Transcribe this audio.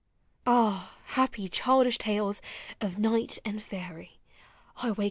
" Ah! happy childish tales— of knight and faerie!